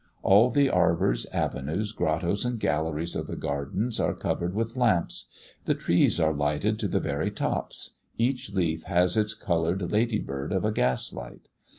All the arbours, avenues, grottos and galleries of the gardens are covered with lamps; the trees are lighted to the very tops; each leaf has its coloured lady bird of a gas light.